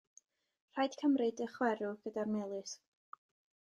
Rhaid cymryd y chwerw gyda'r melys.